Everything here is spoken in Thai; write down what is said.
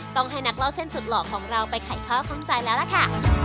ต้องให้นักเล่าเส้นสุดหล่อของเราไปไขข้อข้องใจแล้วล่ะค่ะ